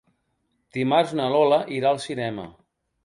Dimarts na Lola irà al cinema.